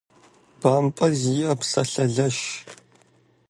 БампӀэ зиӀэ псэлъалэщ.